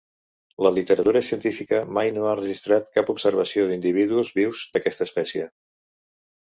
La literatura científica mai no ha registrat cap observació d'individus vius d'aquesta espècie.